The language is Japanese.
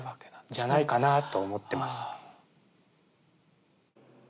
じゃないかなと思ってます。